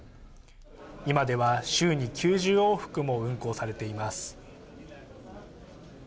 今では週に９０往復も運航されています。